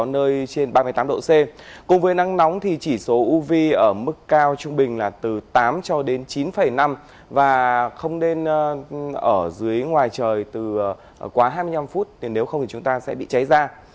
nắng nóng thì chỉ số uv ở mức cao trung bình là từ tám cho đến chín năm và không nên ở dưới ngoài trời từ quá hai mươi năm phút nếu không thì chúng ta sẽ bị cháy ra